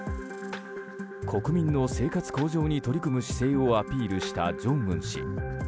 国民の生活向上に取り組む姿勢をアピールした正恩氏。